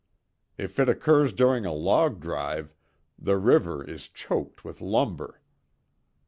If it occurs during a log drive, the river is choked with lumber.